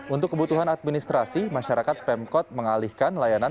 untuk kebutuhan administrasi masyarakat pemkot mengalihkan layanan